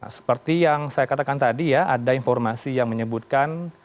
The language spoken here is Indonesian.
seperti yang saya katakan tadi ya ada informasi yang menyebutkan